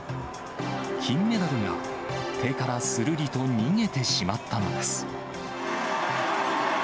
金メダルが手からするりと逃げてしまったのです。